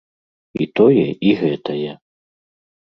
І тое, і гэтае!